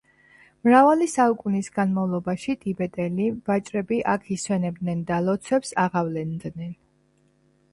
მრავალი საუკუნის განმავლობაში, ტიბეტელი ვაჭრები აქ ისვენებდნენ და ლოცვებს აღავლენდნენ.